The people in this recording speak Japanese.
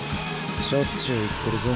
しょっちゅう言ってるぞ。